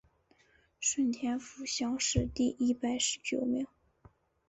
顺天府乡试第一百十九名。